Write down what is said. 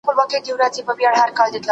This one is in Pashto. لابراتوار کې حجرې په دوامداره توګه وده کوي.